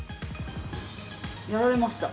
やられました。